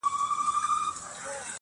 ته كه له ښاره ځې پرېږدې خپــل كــــــور~